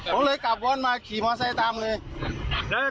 ผมเลยกลับวอนมาขี่มอเ๔๔ตามเลยแล้วทำงานอะไรบ้าน